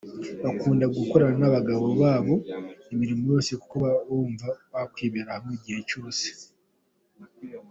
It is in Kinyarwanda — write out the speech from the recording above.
Bakunda gukorana n’abagabo babo imirimo yose kuko baba bumva bakwibera hamwe igihe cyose.